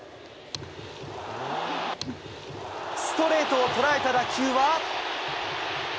ストレートをとらえた打球は。